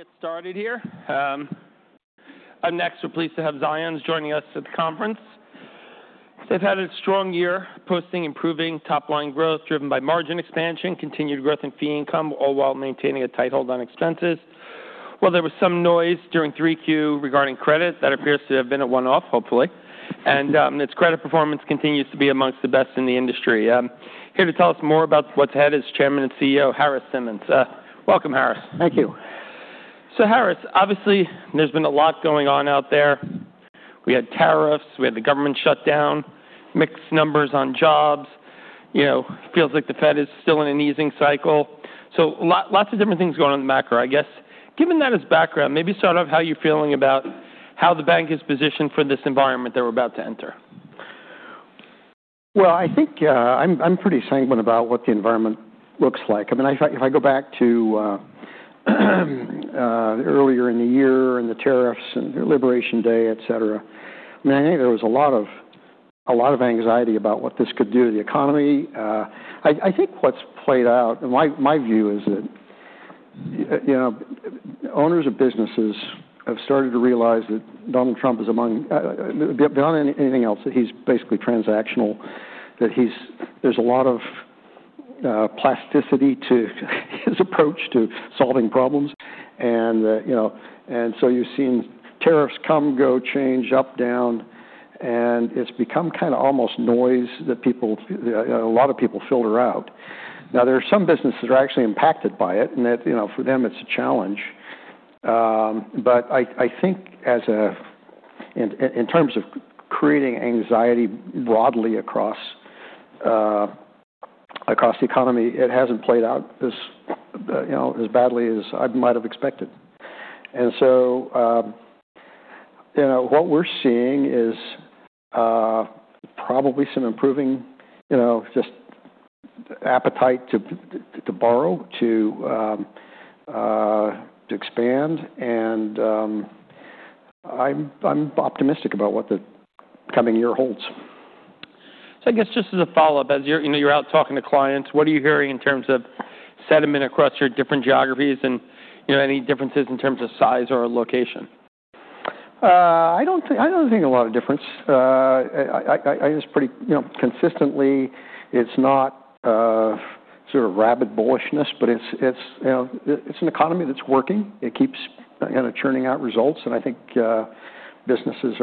We're going to get started here. I'm pleased to have Zions joining us at the conference. They've had a strong year, posting improving top-line growth driven by margin expansion, continued growth in fee income, all while maintaining a tight hold on expenses. Well, there was some noise during 3Q regarding credit that appears to have been a one-off, hopefully. And its credit performance continues to be among the best in the industry. Here to tell us more about what's ahead is Chairman and CEO Harris Simmons. Welcome, Harris. Thank you. So, Harris, obviously, there's been a lot going on out there. We had tariffs, we had the government shut down, mixed numbers on jobs. It feels like the Fed is still in an easing cycle. So, lots of different things going on in the macro, I guess. Given that as background, maybe start off how you're feeling about how the bank is positioned for this environment they're about to enter. I think I'm pretty sanguine about what the environment looks like. I mean, if I go back to earlier in the year and the tariffs and Liberation Day, et cetera, I mean, I think there was a lot of anxiety about what this could do to the economy. I think what's played out, and my view is that owners of businesses have started to realize that Donald Trump is among beyond anything else, that he's basically transactional, that there's a lot of plasticity to his approach to solving problems. And so you've seen tariffs come, go, change, up, down, and it's become kind of almost noise that a lot of people filter out. Now, there are some businesses that are actually impacted by it, and for them, it's a challenge. But I think in terms of creating anxiety broadly across the economy, it hasn't played out as badly as I might have expected. And so what we're seeing is probably some improving just appetite to borrow, to expand. And I'm optimistic about what the coming year holds. I guess just as a follow-up, as you're out talking to clients, what are you hearing in terms of sentiment across your different geographies and any differences in terms of size or location? I don't think a lot of difference. I guess pretty consistently, it's not sort of rabid bullishness, but it's an economy that's working. It keeps churning out results, and I think businesses,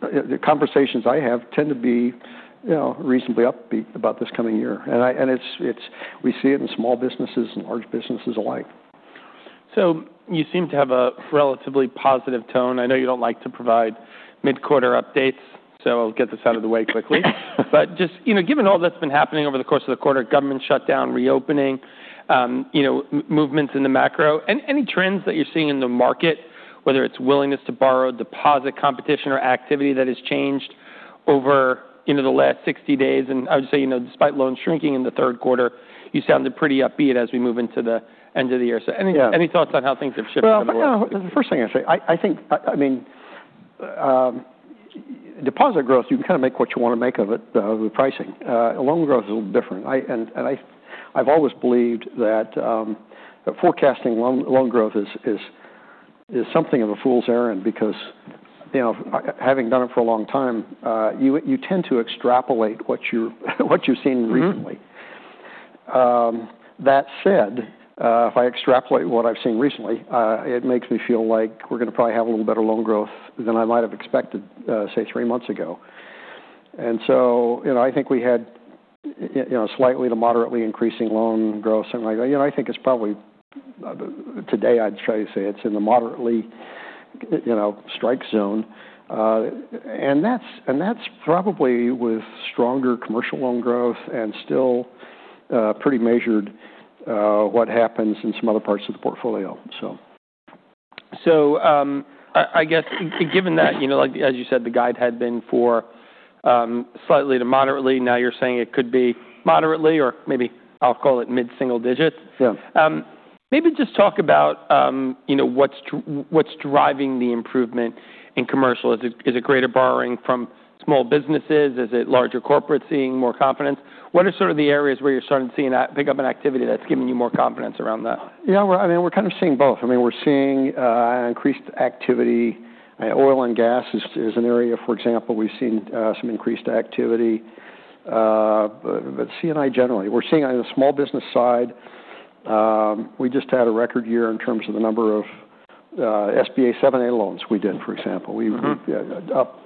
the conversations I have, tend to be reasonably upbeat about this coming year, and we see it in small businesses and large businesses alike. You seem to have a relatively positive tone. I know you don't like to provide mid-quarter updates, so I'll get this out of the way quickly. Just given all that's been happening over the course of the quarter, government shutdown, reopening, movements in the macro, any trends that you're seeing in the market, whether it's willingness to borrow, deposit competition, or activity that has changed over the last 60 days? I would say despite loans shrinking in the third quarter, you sounded pretty upbeat as we move into the end of the year. Any thoughts on how things have shifted over the last? The first thing I'd say, I mean, deposit growth, you can kind of make what you want to make of it, the pricing. Loan growth is a little different. I've always believed that forecasting loan growth is something of a fool's errand because having done it for a long time, you tend to extrapolate what you've seen recently. That said, if I extrapolate what I've seen recently, it makes me feel like we're going to probably have a little better loan growth than I might have expected, say, three months ago. So I think we had slightly to moderately increasing loan growth. I think it's probably today, I'd try to say it's in the moderately strike zone. That's probably with stronger commercial loan growth and still pretty measured what happens in some other parts of the portfolio, so. So, I guess given that, as you said, the guide had been for slightly to moderately, now you're saying it could be moderately or maybe I'll call it mid-single digits. Maybe just talk about what's driving the improvement in commercial. Is it greater borrowing from small businesses? Is it larger corporates seeing more confidence? What are sort of the areas where you're starting to pick up an activity that's giving you more confidence around that? Yeah, well, I mean, we're kind of seeing both. I mean, we're seeing increased activity. Oil and gas is an area, for example, we've seen some increased activity. But C&I generally, we're seeing on the small business side, we just had a record year in terms of the number of SBA 7(a) loans we did, for example. We were up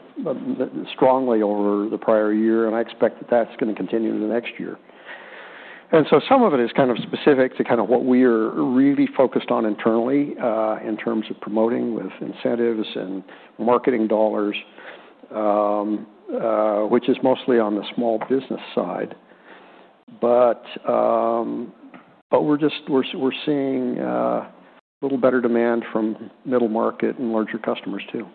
strongly over the prior year, and I expect that that's going to continue into the next year. And so some of it is kind of specific to kind of what we are really focused on internally in terms of promoting with incentives and marketing dollars, which is mostly on the small business side. But we're seeing a little better demand from middle market and larger customers too.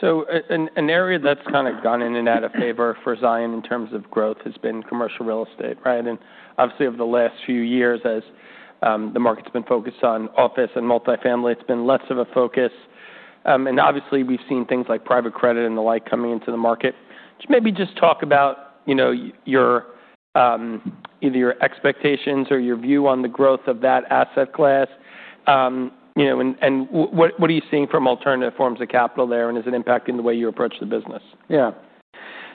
So, an area that's kind of gone in and out of favor for Zions in terms of growth has been commercial real estate, right? And obviously, over the last few years, as the market's been focused on office and multifamily, it's been less of a focus. And obviously, we've seen things like private credit and the like coming into the market. Maybe just talk about either your expectations or your view on the growth of that asset class. And what are you seeing from alternative forms of capital there, and is it impacting the way you approach the business? Yeah.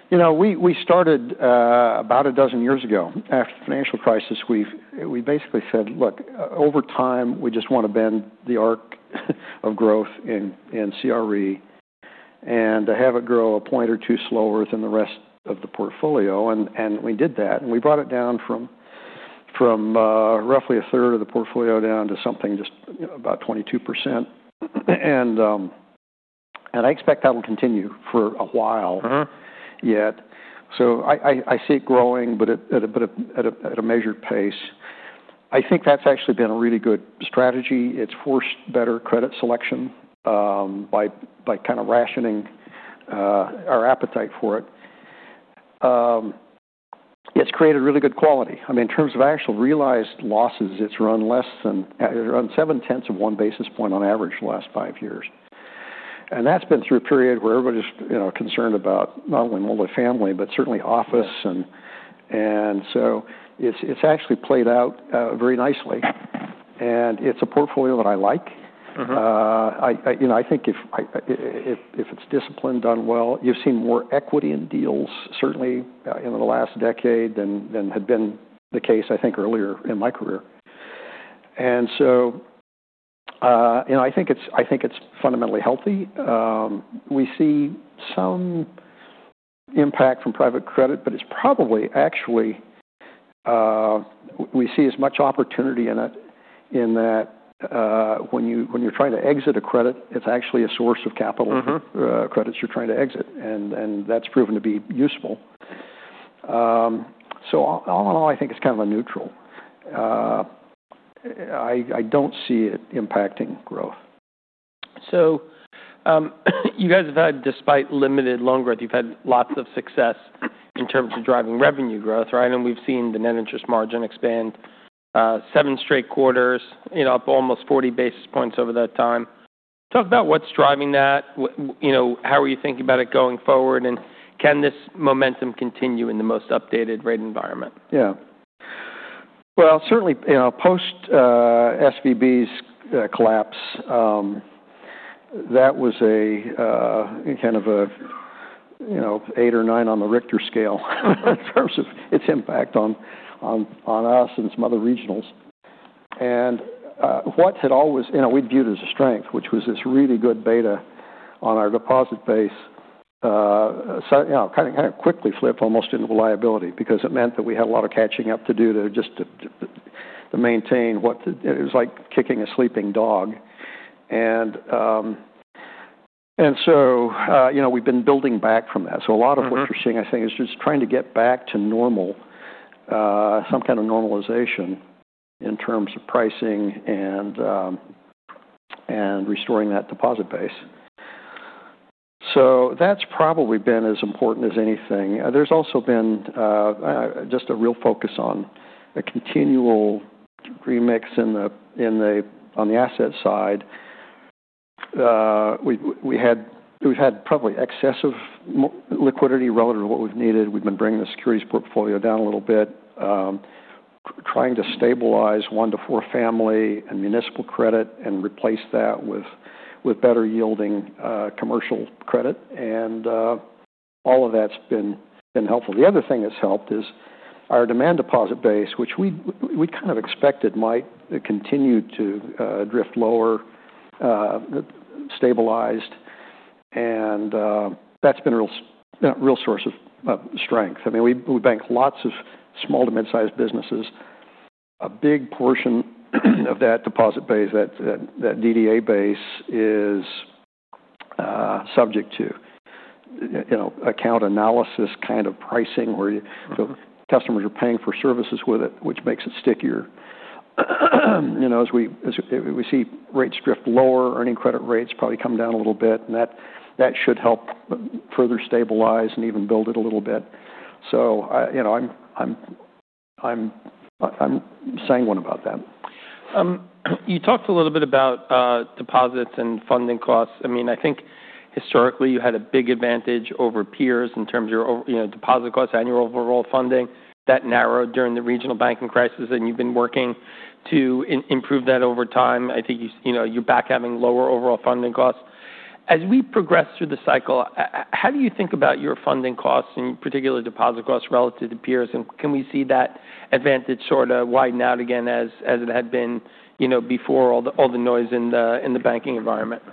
You know, we started about a dozen years ago after the financial crisis. We basically said, "Look, over time, we just want to bend the arc of growth in CRE and have it grow a point or two slower than the rest of the portfolio." And we did that. And we brought it down from roughly a third of the portfolio down to something just about 22%. And I expect that will continue for a while yet. So, I see it growing, but at a measured pace. I think that's actually been a really good strategy. It's forced better credit selection by kind of rationing our appetite for it. It's created really good quality. I mean, in terms of actual realized losses, it's run less than 7/10 of one basis point on average the last five years. And that's been through a period where everybody's concerned about not only multifamily, but certainly office. And so it's actually played out very nicely. And it's a portfolio that I like. I think if it's disciplined, done well, you've seen more equity in deals, certainly in the last decade than had been the case, I think, earlier in my career. And so, I think it's fundamentally healthy. We see some impact from private credit, but it's probably actually we see as much opportunity in that when you're trying to exit a credit, it's actually a source of capital for credits you're trying to exit. And that's proven to be useful. So, all in all, I think it's kind of a neutral. I don't see it impacting growth. So, you guys have had, despite limited loan growth, you've had lots of success in terms of driving revenue growth, right? And we've seen the net interest margin expand seven straight quarters up almost 40 basis points over that time. Talk about what's driving that. How are you thinking about it going forward? And can this momentum continue in the most updated rate environment? Yeah. Well, certainly, post-SVB's collapse, that was kind of an eight or nine on the Richter scale in terms of its impact on us and some other regionals, and what had always we'd viewed as a strength, which was this really good beta on our deposit base, kind of quickly flipped almost into reliability because it meant that we had a lot of catching up to do to just maintain what it was like kicking a sleeping dog, and so we've been building back from that. A lot of what you're seeing, I think, is just trying to get back to normal, some kind of normalization in terms of pricing and restoring that deposit base. That's probably been as important as anything. There's also been just a real focus on a continual remix on the asset side. We've had probably excessive liquidity relative to what we've needed. We've been bringing the securities portfolio down a little bit, trying to stabilize one- to four-family and municipal credit and replace that with better-yielding commercial credit. And all of that's been helpful. The other thing that's helped is our demand deposit base, which we kind of expected might continue to drift lower, stabilized. And that's been a real source of strength. I mean, we bank lots of small- to mid-sized businesses. A big portion of that deposit base, that DDA base, is subject to account analysis kind of pricing where customers are paying for services with it, which makes it stickier. As we see rates drift lower, earning credit rates probably come down a little bit, and that should help further stabilize and even build it a little bit. So, I'm sanguine about that. You talked a little bit about deposits and funding costs. I mean, I think historically you had a big advantage over peers in terms of your deposit costs, annual overall funding. That narrowed during the regional banking crisis, and you've been working to improve that over time. I think you're back having lower overall funding costs. As we progress through the cycle, how do you think about your funding costs and particularly deposit costs relative to peers? And can we see that advantage sort of widen out again as it had been before all the noise in the banking environment?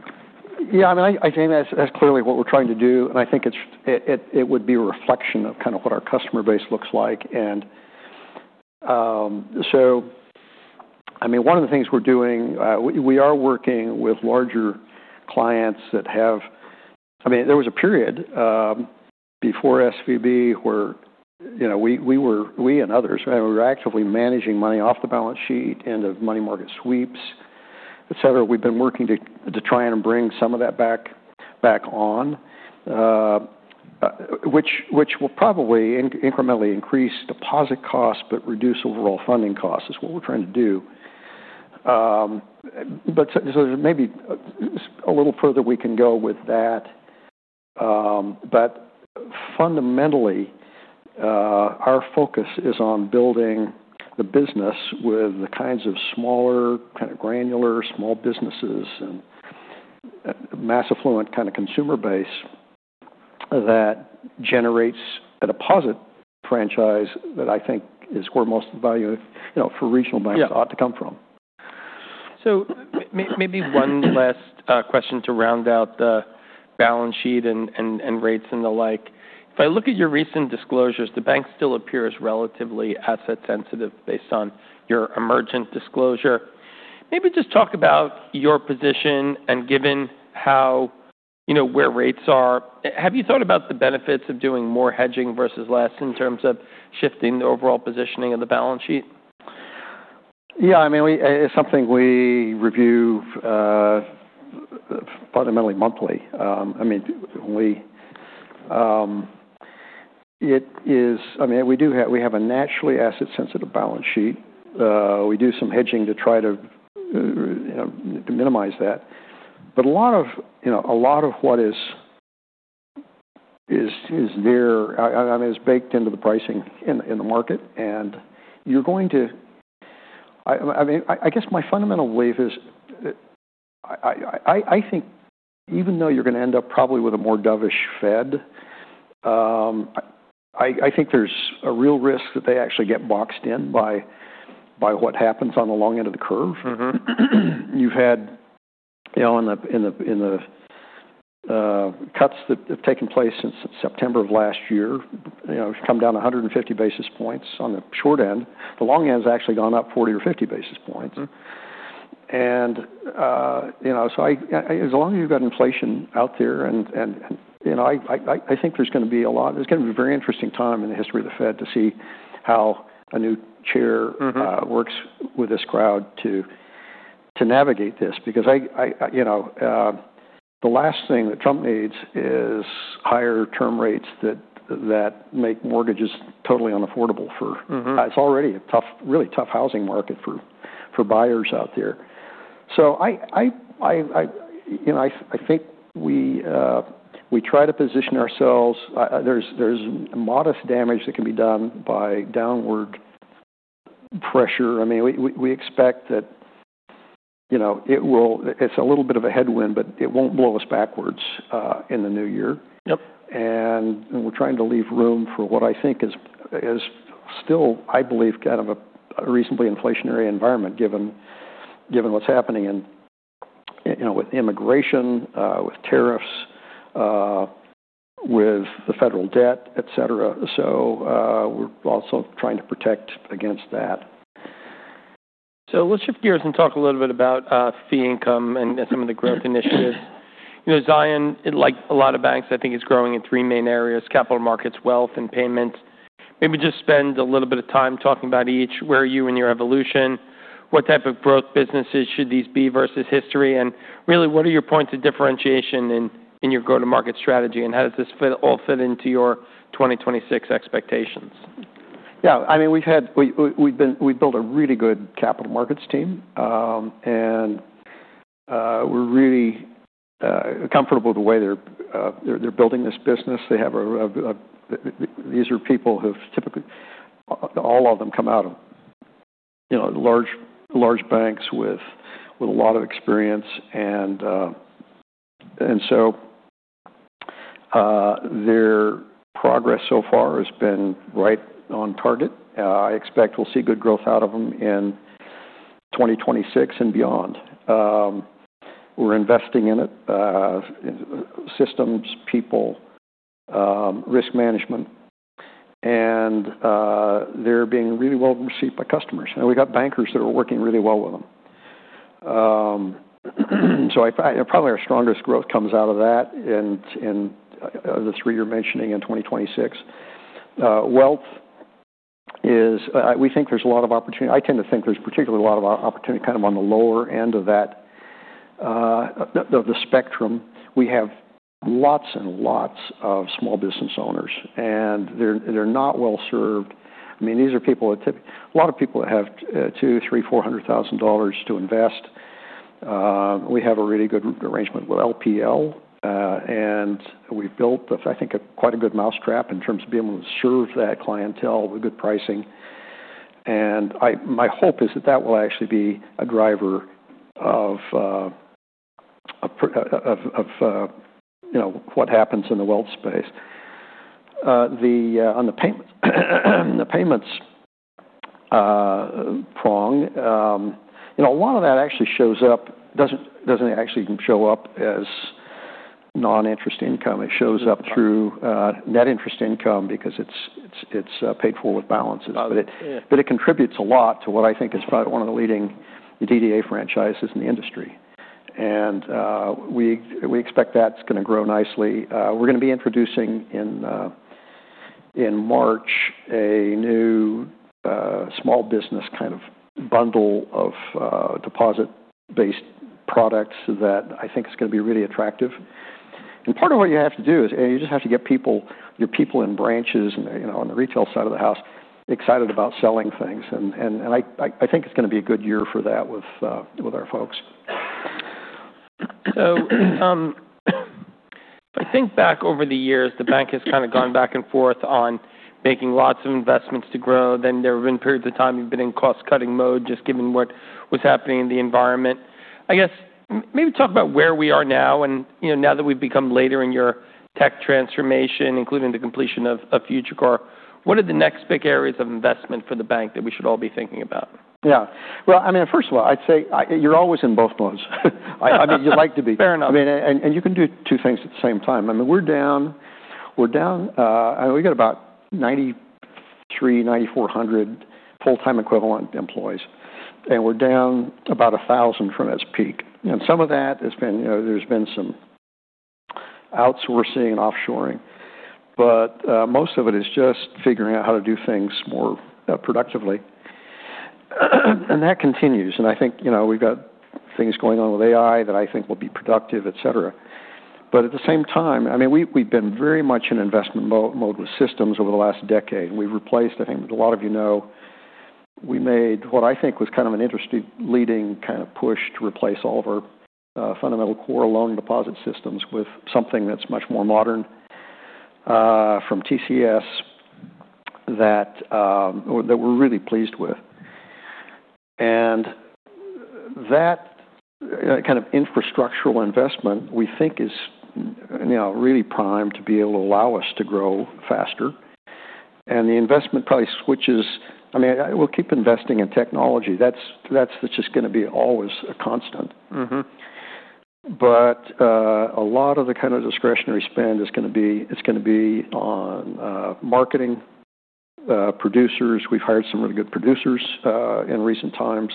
Yeah, I mean, I think that's clearly what we're trying to do. And I think it would be a reflection of kind of what our customer base looks like. And so, I mean, one of the things we're doing, we are working with larger clients that have I mean, there was a period before SVB where we and others, we were actively managing money off the balance sheet and of money market sweeps, etc. We've been working to try and bring some of that back on, which will probably incrementally increase deposit costs, but reduce overall funding costs is what we're trying to do. But so there's maybe a little further we can go with that. But fundamentally, our focus is on building the business with the kinds of smaller kind of granular small businesses and mass affluent kind of consumer base that generates a deposit franchise that I think is where most of the value for regional banks ought to come from. So, maybe one last question to round out the balance sheet and rates and the like. If I look at your recent disclosures, the bank still appears relatively asset-sensitive based on your emergent disclosure. Maybe just talk about your position and given where rates are. Have you thought about the benefits of doing more hedging versus less in terms of shifting the overall positioning of the balance sheet? Yeah, I mean, it's something we review fundamentally monthly. I mean, it is. I mean, we have a naturally asset-sensitive balance sheet. We do some hedging to try to minimize that. But a lot of what is there is baked into the pricing in the market. And you're going to. I mean, I guess my fundamental belief is I think even though you're going to end up probably with a more dovish Fed, I think there's a real risk that they actually get boxed in by what happens on the long end of the curve. You've had, in the cuts that have taken place since September of last year, we've come down 150 basis points on the short end. The long end has actually gone up 40 or 50 basis points. And so, as long as you've got inflation out there, and I think there's going to be a very interesting time in the history of the Fed to see how a new chair works with this crowd to navigate this because the last thing that Trump needs is higher term rates that make mortgages totally unaffordable, for it's already a really tough housing market for buyers out there, so I think we try to position ourselves. There's modest damage that can be done by downward pressure. I mean, we expect that it's a little bit of a headwind, but it won't blow us backwards in the new year, and we're trying to leave room for what I think is still, I believe, kind of a reasonably inflationary environment given what's happening with immigration, with tariffs, with the federal debt, etc. We're also trying to protect against that. So, let's shift gears and talk a little bit about fee income and some of the growth initiatives. Zions, like a lot of banks, I think is growing in three main areas: capital markets, wealth, and payments. Maybe just spend a little bit of time talking about each, where are you in your evolution? What type of growth businesses should these be versus history? And really, what are your points of differentiation in your go-to-market strategy? And how does this all fit into your 2026 expectations? Yeah, I mean, we've built a really good capital markets team. And we're really comfortable with the way they're building this business. These are people who've typically all of them come out of large banks with a lot of experience. And so, their progress so far has been right on target. I expect we'll see good growth out of them in 2026 and beyond. We're investing in it: systems, people, risk management. And they're being really well received by customers. And we've got bankers that are working really well with them. So, probably our strongest growth comes out of that in the three you're mentioning in 2026. Wealth is we think there's a lot of opportunity. I tend to think there's particularly a lot of opportunity kind of on the lower end of that of the spectrum. We have lots and lots of small business owners. They're not well served. I mean, these are people that typically a lot of people that have two, three, four hundred thousand dollars to invest. We have a really good arrangement with LPL. We've built, I think, quite a good mousetrap in terms of being able to serve that clientele with good pricing. My hope is that that will actually be a driver of what happens in the wealth space. On the payments prong, a lot of that actually shows up doesn't actually show up as non-interest income. It shows up through net interest income because it's paid for with balances. But it contributes a lot to what I think is probably one of the leading DDA franchises in the industry. We expect that's going to grow nicely. We're going to be introducing in March a new small business kind of bundle of deposit-based products that I think is going to be really attractive, and part of what you have to do is you just have to get your people in branches and on the retail side of the house excited about selling things, and I think it's going to be a good year for that with our folks. If I think back over the years, the bank has kind of gone back and forth on making lots of investments to grow. There have been periods of time you've been in cost-cutting mode just given what was happening in the environment. I guess maybe talk about where we are now. Now that we've become later in your tech transformation, including the completion of FutureCore, what are the next big areas of investment for the bank that we should all be thinking about? Yeah, well, I mean, first of all, I'd say you're always in both modes. I mean, you'd like to be. Fair enough. I mean, and you can do two things at the same time. I mean, we're down. I mean, we've got about 93-94 hundred full-time equivalent employees. And we're down about 1,000 from its peak. And some of that has been. There's been some outsourcing and offshoring. But most of it is just figuring out how to do things more productively. And that continues. And I think we've got things going on with AI that I think will be productive, etc. But at the same time, I mean, we've been very much in investment mode with systems over the last decade. And we've replaced, I think a lot of you know, we made what I think was kind of an interesting leading kind of push to replace all of our fundamental core loan deposit systems with something that's much more modern from TCS that we're really pleased with. That kind of infrastructural investment, we think, is really primed to be able to allow us to grow faster. The investment probably switches. I mean, we'll keep investing in technology. That's just going to be always a constant. A lot of the kind of discretionary spend is going to be on marketing, producers. We've hired some really good producers in recent times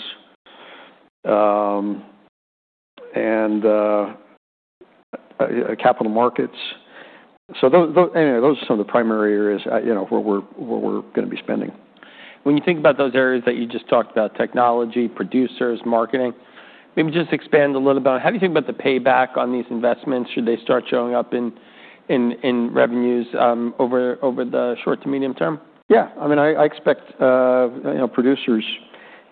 and capital markets. Anyway, those are some of the primary areas where we're going to be spending. When you think about those areas that you just talked about: technology, producers, marketing, maybe just expand a little about how do you think about the payback on these investments? Should they start showing up in revenues over the short to medium term? Yeah. I mean, I expect productivity,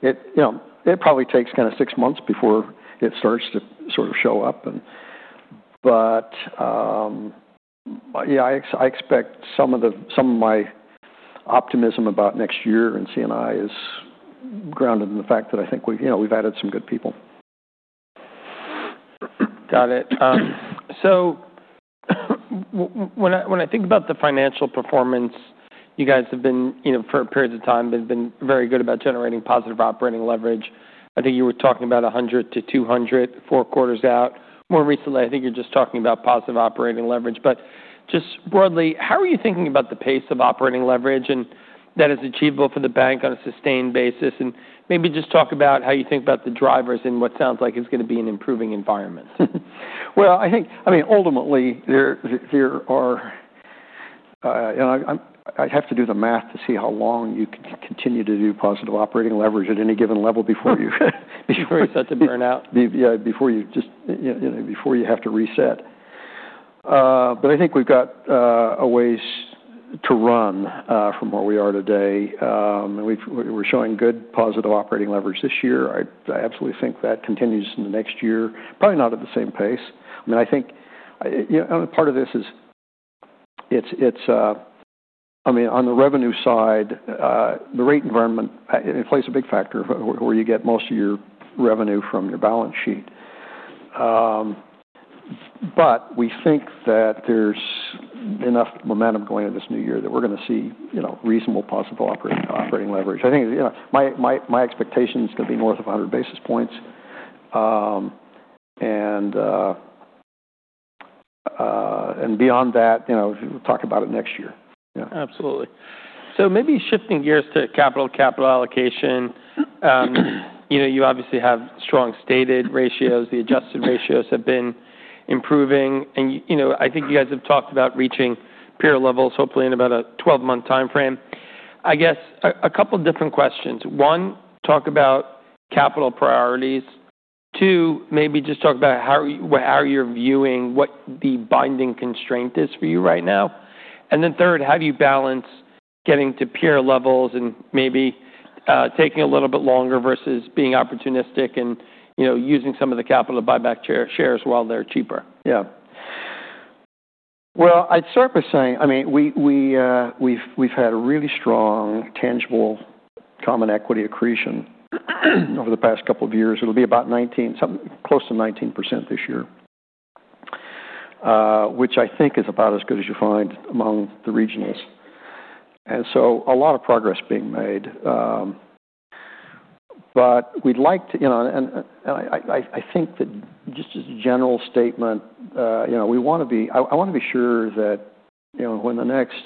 it probably takes kind of six months before it starts to sort of show up. But yeah, I expect some of my optimism about next year and C&I is grounded in the fact that I think we've added some good people. Got it. So, when I think about the financial performance, you guys have been for periods of time very good about generating positive operating leverage. I think you were talking about 100-200 four quarters out. More recently, I think you're just talking about positive operating leverage. But just broadly, how are you thinking about the pace of operating leverage? And is that achievable for the bank on a sustained basis? And maybe just talk about how you think about the drivers in what sounds like is going to be an improving environment. I think I mean, ultimately, there are I'd have to do the math to see how long you can continue to do positive operating leverage at any given level before you start to burn out. Yeah, before you just have to reset. But I think we've got a ways to run from where we are today. And we're showing good positive operating leverage this year. I absolutely think that continues in the next year, probably not at the same pace. I mean, I think part of this is it's I mean, on the revenue side, the rate environment plays a big factor where you get most of your revenue from your balance sheet. But we think that there's enough momentum going into this new year that we're going to see reasonable positive operating leverage. I think my expectation is going to be north of 100 basis points. Beyond that, we'll talk about it next year. Yeah. Absolutely. So, maybe shifting gears to capital allocation. You obviously have strong stated ratios. The adjusted ratios have been improving. And I think you guys have talked about reaching peer levels, hopefully, in about a 12-month time frame. I guess a couple of different questions. One, talk about capital priorities. Two, maybe just talk about how you're viewing what the binding constraint is for you right now. And then third, how do you balance getting to peer levels and maybe taking a little bit longer versus being opportunistic and using some of the capital to buy back shares while they're cheaper? Yeah. Well, I'd start by saying, I mean, we've had a really strong, tangible common equity accretion over the past couple of years. It'll be about 19%, something close to 19% this year, which I think is about as good as you find among the regionals. And so, a lot of progress being made. But we'd like to, and I think that just as a general statement, we want to be. I want to be sure that when the next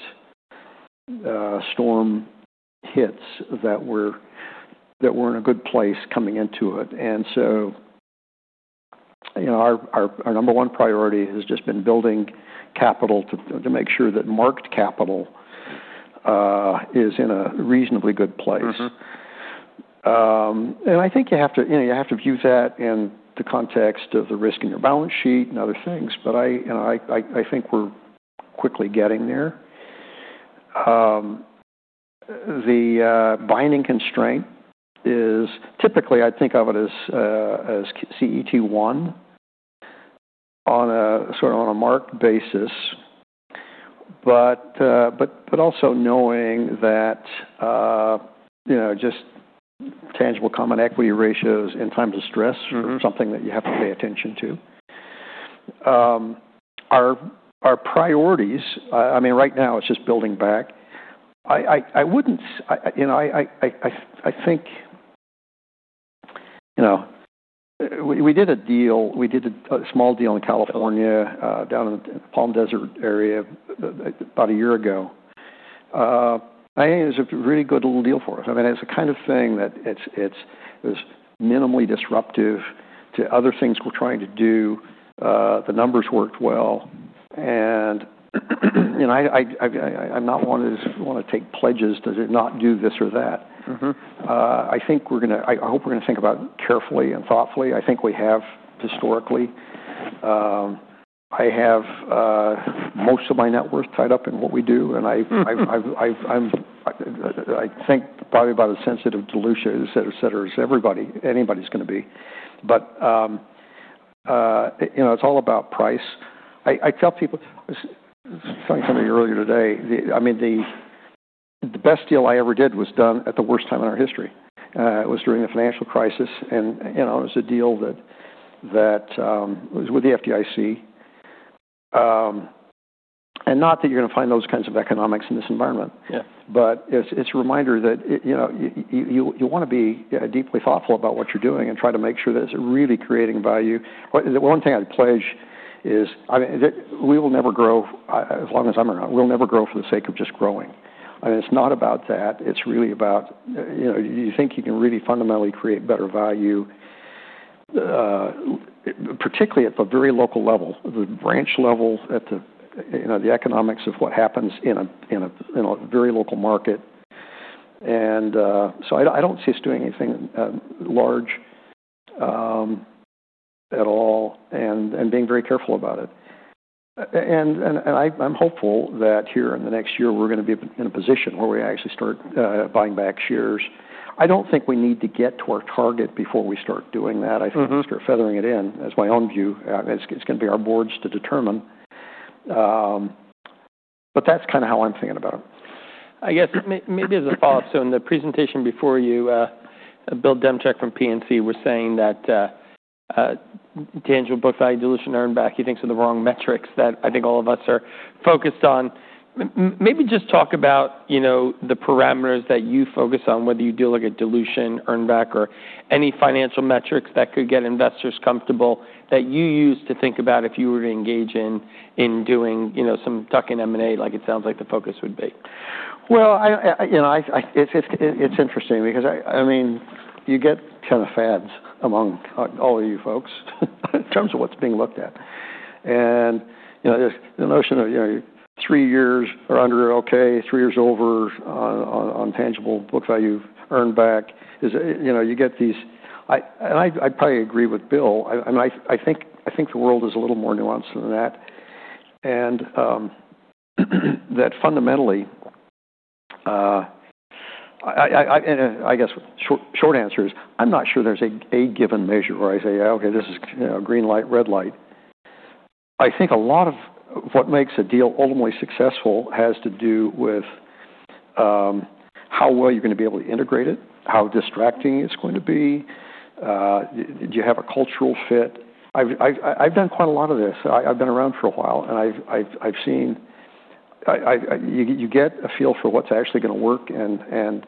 storm hits that we're in a good place coming into it. And so, our number one priority has just been building capital to make sure that our capital is in a reasonably good place. And I think you have to view that in the context of the risk in your balance sheet and other things. But I think we're quickly getting there. The binding constraint is typically, I think of it as CET1 on a sort of marked basis. But also knowing that just tangible common equity ratios in times of stress are something that you have to pay attention to. Our priorities, I mean, right now, it's just building back. I think we did a small deal in California down in the Palm Desert area about a year ago. I think it was a really good little deal for us. I mean, it's the kind of thing that it was minimally disruptive to other things we're trying to do. The numbers worked well. I'm not one to take pledges to not do this or that. I hope we're going to think about it carefully and thoughtfully. I think we have historically. I have most of my net worth tied up in what we do. And I think probably about as sensitive to Lucia, etc., as everybody anybody's going to be. But it's all about price. I tell people I was telling somebody earlier today, I mean, the best deal I ever did was done at the worst time in our history. It was during the financial crisis. And it was a deal that was with the FDIC. And not that you're going to find those kinds of economics in this environment. But it's a reminder that you want to be deeply thoughtful about what you're doing and try to make sure that it's really creating value. One thing I'd pledge is, I mean, we will never grow as long as I'm around. We'll never grow for the sake of just growing. I mean, it's not about that. It's really about do you think you can really fundamentally create better value, particularly at the very local level, the branch level, at the economics of what happens in a very local market? And so, I don't see us doing anything large at all and being very careful about it. And I'm hopeful that here in the next year, we're going to be in a position where we actually start buying back shares. I don't think we need to get to our target before we start doing that. I think we're feathering it in. That's my own view. It's going to be our boards to determine. But that's kind of how I'm thinking about it. I guess maybe as a follow-up, so in the presentation before you, Bill Demchak from PNC was saying that tangible book value, dilution, earned back, he thinks are the wrong metrics that I think all of us are focused on. Maybe just talk about the parameters that you focus on, whether you deal with dilution, earned back, or any financial metrics that could get investors comfortable that you use to think about if you were to engage in doing some tuck-in M&A like it sounds like the focus would be. It's interesting because, I mean, you get kind of fans among all of you folks in terms of what's being looked at. And the notion of three years or under are okay, three years over on tangible book value, earned back, you get these and I'd probably agree with Bill. I mean, I think the world is a little more nuanced than that. And that fundamentally, I guess short answer is I'm not sure there's a given measure where I say, "Okay, this is green light, red light." I think a lot of what makes a deal ultimately successful has to do with how well you're going to be able to integrate it, how distracting it's going to be, do you have a cultural fit. I've done quite a lot of this. I've been around for a while. And I've seen you get a feel for what's actually going to work. And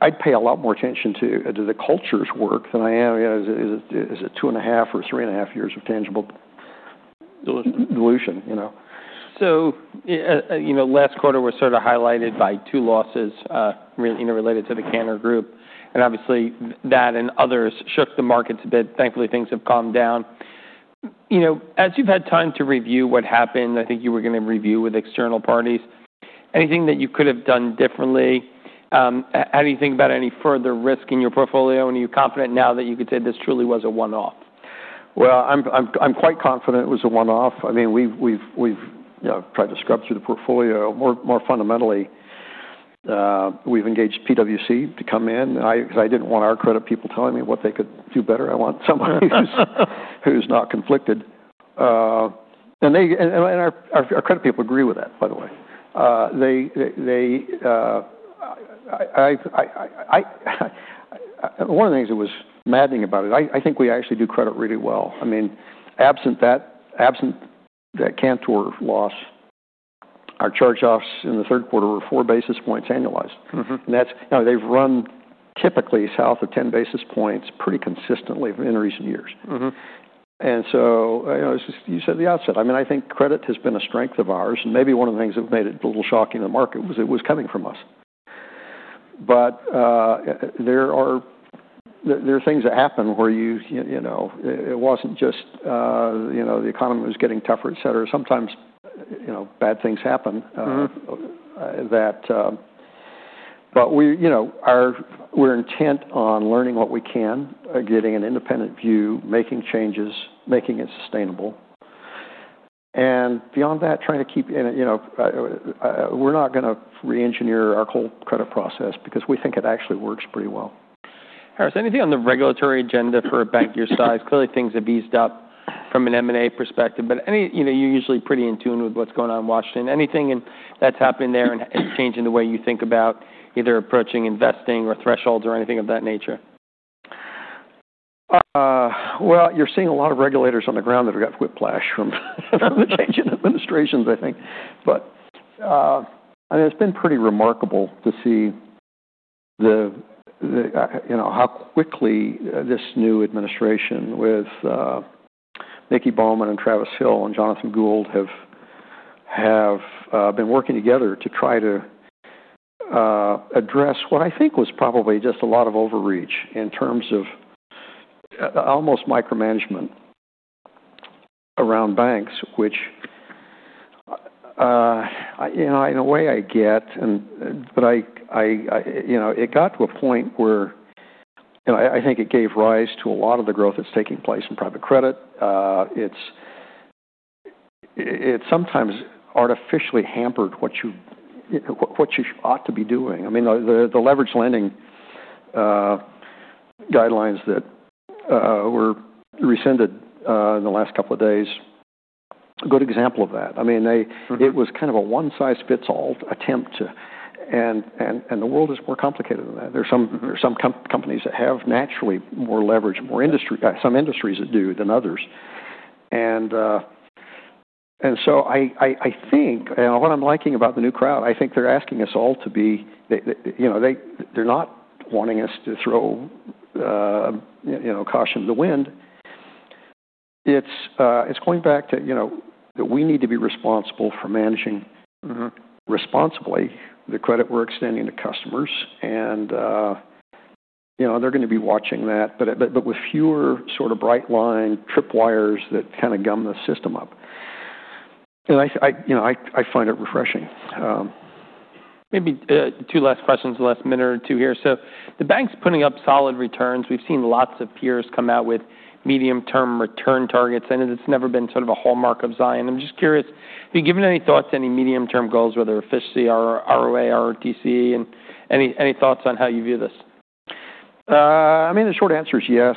I'd pay a lot more attention to the culture's work than I am. Is it two and a half or three and a half years of tangible dilution? So, last quarter was sort of highlighted by two losses related to the Cantor Group. And obviously, that and others shook the markets a bit. Thankfully, things have calmed down. As you've had time to review what happened, I think you were going to review with external parties, anything that you could have done differently? How do you think about any further risk in your portfolio? And are you confident now that you could say this truly was a one-off? I'm quite confident it was a one-off. I mean, we've tried to scrub through the portfolio. More fundamentally, we've engaged PwC to come in because I didn't want our credit people telling me what they could do better. I want someone who's not conflicted. And our credit people agree with that, by the way. One of the things that was maddening about it, I think we actually do credit really well. I mean, absent that Cantor loss, our charge-offs in the third quarter were four basis points annualized. And they've run typically south of 10 basis points pretty consistently in recent years. And so, as you said at the outset. I mean, I think credit has been a strength of ours. And maybe one of the things that made it a little shocking in the market was it was coming from us. But there are things that happen where it wasn't just the economy was getting tougher, etc. Sometimes bad things happen. But we're intent on learning what we can, getting an independent view, making changes, making it sustainable. And beyond that, trying to keep we're not going to re-engineer our whole credit process because we think it actually works pretty well. Harris, anything on the regulatory agenda for a bank your size? Clearly, things have eased up from an M&A perspective. But you're usually pretty in tune with what's going on in Washington. Anything that's happening there and changing the way you think about either approaching investing or thresholds or anything of that nature? You're seeing a lot of regulators on the ground that have got whiplash from the change in administrations, I think. But I mean, it's been pretty remarkable to see how quickly this new administration with Miki Bowman and Travis Hill and Jonathan Gould have been working together to try to address what I think was probably just a lot of overreach in terms of almost micromanagement around banks, which in a way I get. But it got to a point where I think it gave rise to a lot of the growth that's taking place in private credit. It sometimes artificially hampered what you ought to be doing. I mean, the leveraged lending guidelines that were rescinded in the last couple of days are a good example of that. I mean, it was kind of a one-size-fits-all attempt. The world is more complicated than that. There are some companies that have naturally more leverage, some industries that do than others. And so, I think what I'm liking about the new crowd. I think they're asking us all to be. They're not wanting us to throw caution to the wind. It's going back to that we need to be responsible for managing responsibly the credit we're extending to customers. And they're going to be watching that, but with fewer sort of bright line trip wires that kind of gum the system up. And I find it refreshing. Maybe two last questions, the last minute or two here. So, the bank's putting up solid returns. We've seen lots of peers come out with medium-term return targets. And it's never been sort of a hallmark of Zions. I'm just curious, have you given any thoughts to any medium-term goals, whether efficiency, ROA, ROTCE, and any thoughts on how you view this? I mean, the short answer is yes.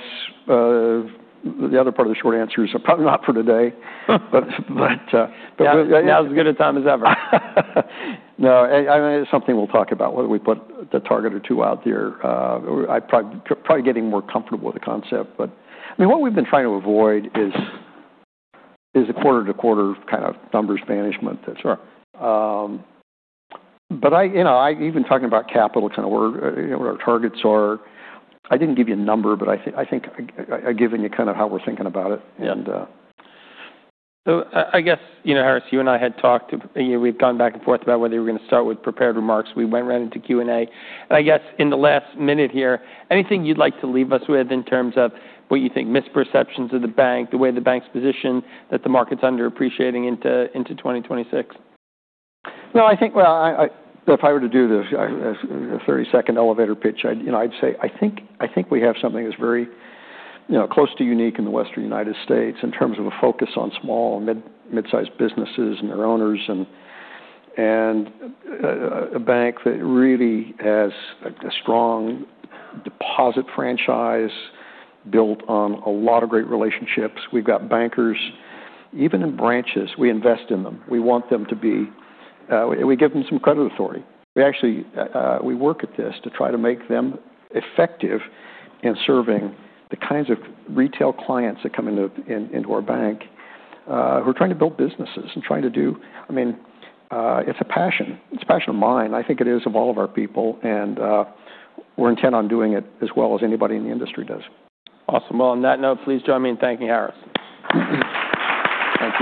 The other part of the short answer is probably not for today. But. Now is a good time as ever. No. I mean, it's something we'll talk about, whether we put the target or two out there. I'm probably getting more comfortable with the concept. But I mean, what we've been trying to avoid is the quarter-to-quarter kind of numbers banishment. But even talking about capital kind of where our targets are, I didn't give you a number, but I think I've given you kind of how we're thinking about it. And. I guess, Harris, you and I had talked. We've gone back and forth about whether we're going to start with prepared remarks. We went right into Q&A. I guess in the last minute here, anything you'd like to leave us with in terms of what you think misperceptions of the bank, the way the bank's position that the market's underappreciating into 2026? If I were to do the 30-second elevator pitch, I'd say I think we have something that's very close to unique in the Western United States in terms of a focus on small and mid-sized businesses and their owners and a bank that really has a strong deposit franchise built on a lot of great relationships. We've got bankers, even in branches, we invest in them. We want them to be. We give them some credit authority. We work at this to try to make them effective in serving the kinds of retail clients that come into our bank who are trying to build businesses and trying to do. I mean, it's a passion. It's a passion of mine. I think it is of all of our people, and we're intent on doing it as well as anybody in the industry does. Awesome. Well, on that note, please join me in thanking Harris. Thanks.